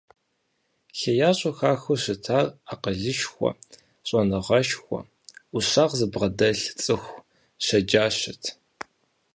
ХеящӀэу хахыу щытар акъылышхуэ, щӀэныгъэшхуэ. Ӏущагъ зыбгъэдэлъ цӀыху щэджащэт.